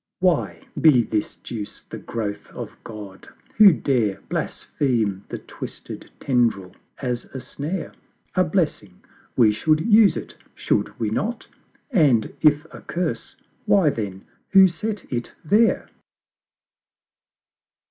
Why, be this Juice the growth of God, who dare Blaspheme the twisted tendril as a Snare? A Blessing, we should use it, should we not? And if a Curse why, then, Who set it there?